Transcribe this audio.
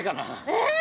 ええ！